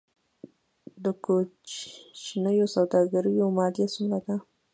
د کوچنیو سوداګریو مالیه څومره ده؟